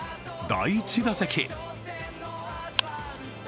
第１打席。